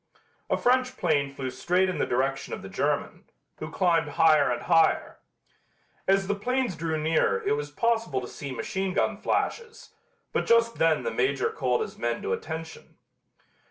A French plane flew straight in the direction of the German, who climbed higher and higher. As the planes drew nearer it was possible to see machine gun flashes, but just then the Major called his men to attention.